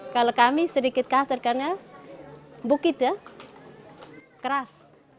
kalau kami sedikit kasar karena bukit ya keras